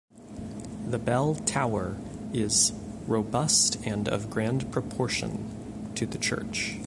The bell tower is "robust and of grand proportion" to the church.